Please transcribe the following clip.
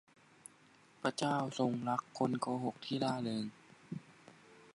พระเจ้าทรงรักคนโกหกที่ร่าเริง